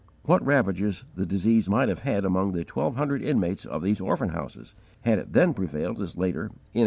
What ravages the disease might have made among the twelve hundred inmates of these orphan houses, had it then prevailed as later, in 1872!